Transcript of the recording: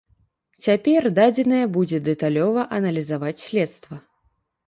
Цяпер дадзеныя будзе дэталёва аналізаваць следства.